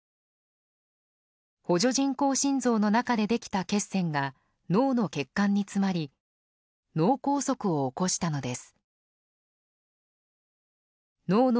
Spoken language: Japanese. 補助人工心臓の中でできた血栓が脳の血管に詰まり脳梗塞を起こしたのです。